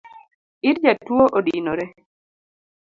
It jatuo odinore